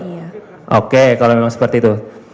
iya oke kalau memang seperti itu